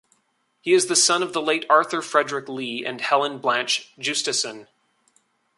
He is the son of the late Arthur Frederick Lee and Helen Blanche Justason.